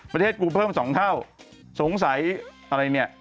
ประเทศกูเพิ่มสองเท่าสงสัยอะไรเนี่ย